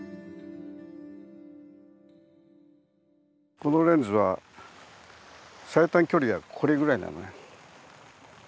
このレンズは最短距離がこれぐらいなのね。